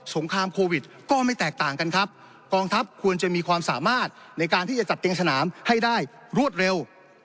งครามโควิดก็ไม่แตกต่างกันครับกองทัพควรจะมีความสามารถในการที่จะจัดเตียงสนามให้ได้รวดเร็ว